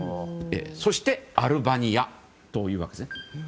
そしてアルバニアというわけですね。